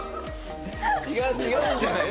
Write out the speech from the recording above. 違うんじゃないの？